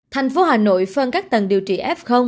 thành phố hà nội phân các tầng điều trị f